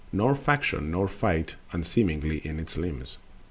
Nor faction nor fight unseemly in its limbs.